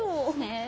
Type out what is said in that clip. え？